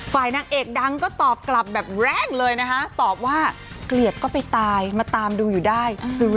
นางเอกดังก็ตอบกลับแบบแรงเลยนะคะตอบว่าเกลียดก็ไปตายมาตามดูอยู่ได้